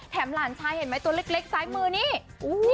หลานชายเห็นไหมตัวเล็กซ้ายมือนี่